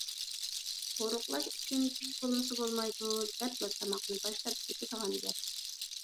ئورۇقلاش ئۈچۈن كۈچ بولمىسا بولمايدۇ، دەپلا تاماقنى باشلاپ كېتىدىغان گەپ.